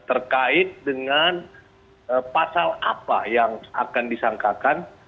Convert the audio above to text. terkait dengan pasal apa yang akan disangkakan